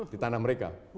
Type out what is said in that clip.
di tanah mereka